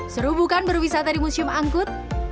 seru bukan berwisata di museum angkut